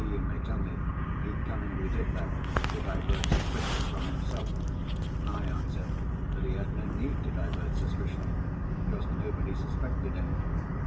You may tell me he cunningly did that to divert suspicion from himself. I answer that he had no need to divert suspicion—because nobody suspected him.